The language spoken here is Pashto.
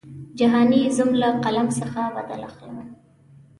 جهاني ځم له قلم څخه بدل اخلم.